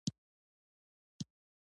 پښتو ژبه وژغورئ